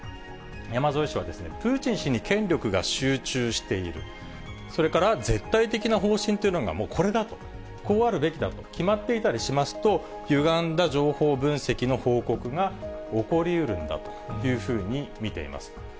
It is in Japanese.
山添氏は、プーチン氏に権力が集中している、それから、絶対的な方針というのが、もうこれだと、こうあるべきだと決まっていたりしますと、ゆがんだ情報分析の報告が起こりうるんだというふうに見ています。